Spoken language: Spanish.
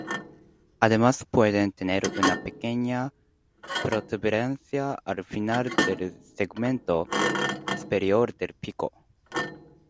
Además pueden tener una pequeña protuberancia al final del segmento superior del pico.